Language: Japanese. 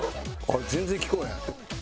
全然聞こえへん。